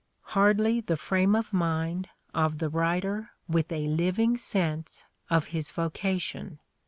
Hardly th^ frame of mind of the writer with a living sense of his vocation!